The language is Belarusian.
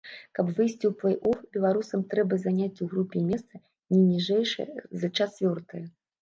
Каб выйсці ў плэй-оф, беларусам трэба заняць у групе месца, не ніжэйшае за чацвёртае.